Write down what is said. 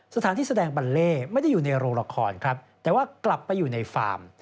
แสดงบัลเล่ไม่ได้อยู่ในโรงละครครับแต่ว่ากลับไปอยู่ในฟาร์ม